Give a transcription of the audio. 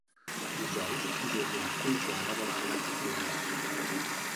Dijous en Julià i na Joana volen anar a Confrides.